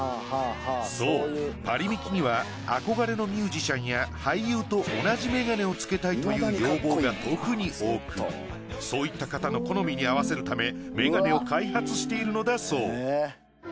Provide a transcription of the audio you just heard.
そうパリミキには憧れのミュージシャンや俳優と同じメガネをつけたいという要望が特に多くそういった方の好みに合わせるためメガネを開発しているのだそう。